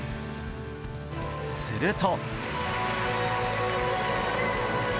すると。